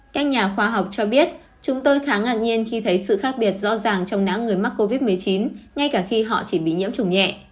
các nhà khoa học cho biết chúng tôi khá ngạc nhiên khi thấy sự khác biệt rõ ràng trong não người mắc covid một mươi chín ngay cả khi họ chỉ bị nhiễm chủng nhẹ